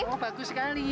oh bagus sekali